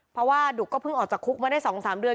เพราะว่าดุกก็เพิ่งออกจากคุกมาได้๒๓เดือน